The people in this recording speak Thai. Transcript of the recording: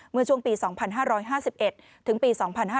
เมื่อช่วงปี๒๕๕๑ถึงปี๒๕๕๙